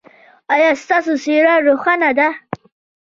ایا ستاسو څیره روښانه ده؟